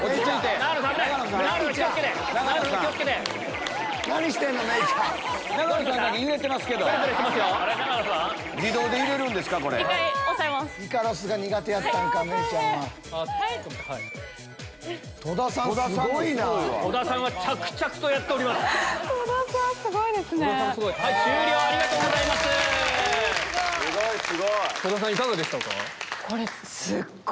いかがでしたか？